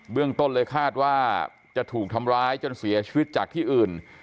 เรื่องต้นเลยคาดว่าจะถูกทำร้ายจนเสียชีวิตจากที่อื่น